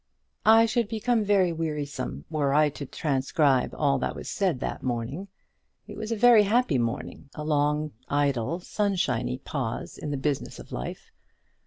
I should become very wearisome, were I to transcribe all that was said that morning. It was a very happy morning, a long, idle sunshiny pause in the business of life.